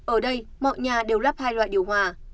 ở đây mọi nhà đều lắp hai loại điều hòa